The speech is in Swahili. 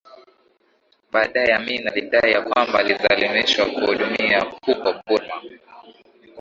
Baadaye Amin alidai ya kwamba alilazimishwa kuhudumia huko Burma